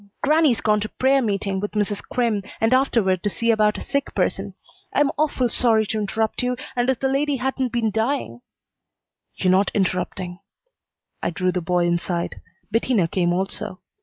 Grannie's gone to prayer meeting with Mrs. Crimm, and afterward to see about a sick person. I'm awful sorry to interrupt you, and if the lady hadn't been dying " "You're not interrupting." I drew the boy inside. Bettina came also.